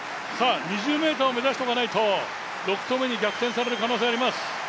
２０ｍを目指しておかないと６投目に逆転される可能性があります。